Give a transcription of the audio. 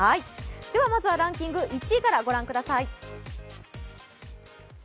まずはランキング１位からご覧ください。